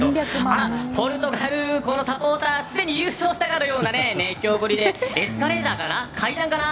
あら、ポルトガルのサポーターすでに優勝したかのような熱狂ぶりでエスカレーターかな、階段かな？